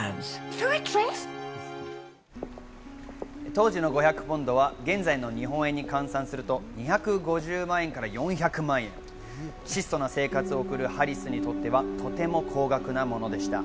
当時の５００ポンドは現在の日本円に換算すると２５０万円から４００万円と、質素な生活を送るハリスにとってはとても高額なものでした。